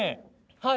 はい。